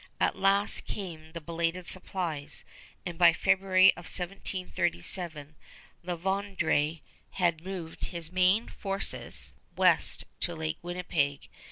At last came the belated supplies, and by February of 1737 La Vérendrye had moved his main forces west to Lake Winnipeg.